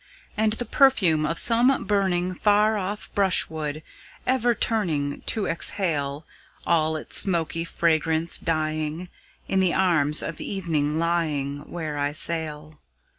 And the perfume of some burning Far off brushwood, ever turning To exhale All its smoky fragrance dying, In the arms of evening lying, Where I sail.